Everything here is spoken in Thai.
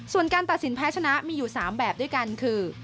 ส่วนการตัดสินแพ้ชนะมีอยู่๓แบบด้วยกันคือ